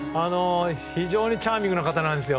非常にチャーミングな方なんですよ。